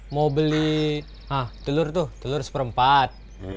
mau beli telur tuh telur seperempat